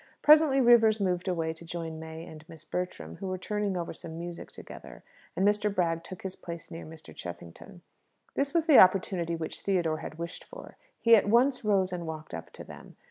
Presently Rivers moved away to join May and Miss Bertram, who were turning over some music together, and Mr. Bragg took his place near Mr. Cheffington. This was the opportunity which Theodore had wished for. He at once rose and walked up to them.